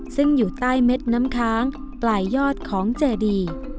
ซึ่งอยู่ใต้เม็ดน้ำค้างปลายยอดของเจดี